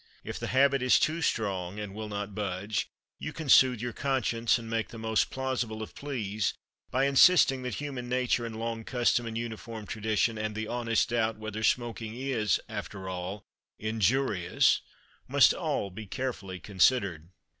If the habit is too strong, and will not budge, you can soothe your conscience and make the most plausible of pleas by insisting that human nature and long custom and uniform tradition and the honest doubt whether smoking is, after all, injurious, must all be carefully considered.